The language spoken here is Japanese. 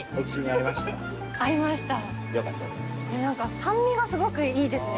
酸味がすごくいいですね。